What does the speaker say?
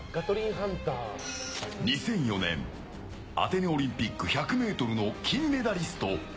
２００４年アテネオリンピック１００ｍの金メダリスト。